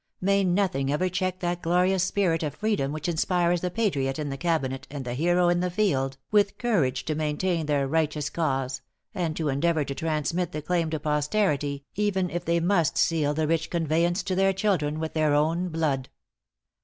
May nothing ever check that glorious spirit of freedom which inspires the patriot in the cabinet, and the hero in the field, with courage to maintain their righteous cause, and to endeavor to transmit the claim to posterity, even if they must seal the rich conveyance to their children with their own blood."